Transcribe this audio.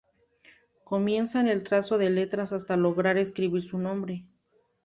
Comienzan el trazo de letras hasta lograr escribir su nombre.